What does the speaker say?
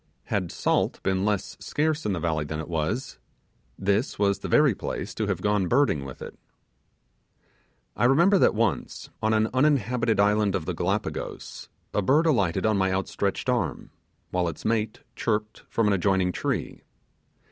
Had salt been less scarce in the valley than it was, this was the very place to have gone birding with it. I remember that once, on an uninhabited island of the Gallipagos, a bird alighted on my outstretched arm, while its mate chirped from an adjoining tree.